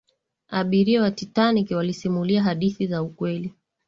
abiria wa titanic walisimulia hadithi za kweli